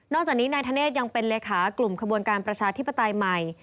จากนี้นายธเนธยังเป็นเลขากลุ่มขบวนการประชาธิปไตยใหม่